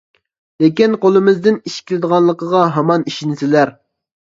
لېكىن، قولىمىزدىن ئىش كېلىدىغانلىقىغا ھامان ئىشىنىسىلەر.